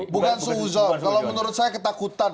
bukan seuzon kalau menurut saya ketakutan